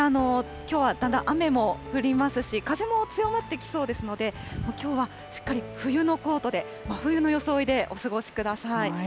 きょうはだんだん雨も降りますし、風も強まってきそうですので、きょうは、しっかり冬のコートで真冬の装いでお過ごしください。